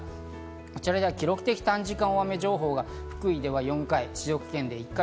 こちらでは記録的短時間大雨情報が福井では４回、静岡県で１回。